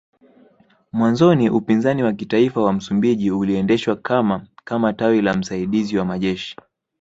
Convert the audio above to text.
Mwanzoni Upinzani wa Kitaifa wa Msumbiji uliendeshwa kama kama tawi la msaidiziwa majeshi